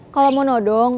kalau mau nodong